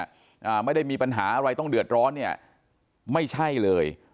อ่าไม่ได้มีปัญหาอะไรต้องเดือดร้อนเนี่ยไม่ใช่เลย